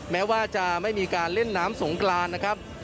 แม้ว่าจะไม่มีการเล่นน้ำสงกรานนะครับ